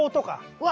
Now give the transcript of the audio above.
うわ！